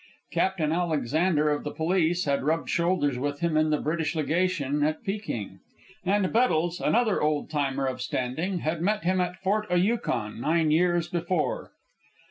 Captain Alexander, of the Police, had rubbed shoulders with him in the British Legation at Peking. And Bettles, another old timer of standing, had met him at Fort o' Yukon nine years before.